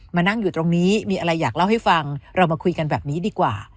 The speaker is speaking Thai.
มานั่งอยู่ตรงนี้มีอะไรอยากเล่าให้ฟังเรามาคุยกันแบบนี้ดีกว่า